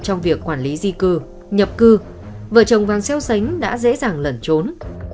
trong việc quản lý di cư nhập cư vợ chồng vàng xéo sánh đã dễ dàng lẩn trốn